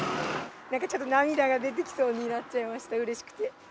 なんかちょっと涙が出てきそうになっちゃいました、うれしくて。